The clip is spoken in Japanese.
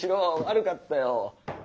悪かったよ！